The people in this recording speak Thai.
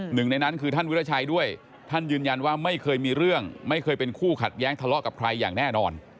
หนึ่งในนั้นคือท่านวิราชัยด้วยท่านยืนยันว่าไม่เคยมีเรื่องไม่เคยเป็นคู่ขัดแย้งทะเลาะกับใครอย่างแน่นอน